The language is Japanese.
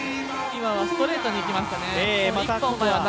今はストレートにいきましたね。